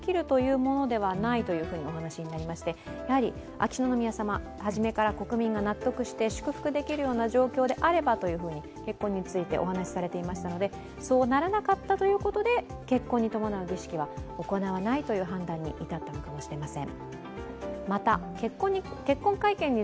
秋篠宮さま、初めから国民が納得して祝福できるような状況であればと結婚についてお話しされていましたので、そうならなかったということで結婚に伴う儀式は行わないことになったのかもしれません。